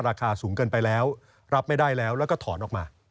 ราคาสูงเกินไปแล้วรับไม่ได้แล้วแล้วก็ถอนออกมา